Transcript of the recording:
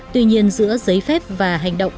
tuy nhiên giữa giấy phép và hành động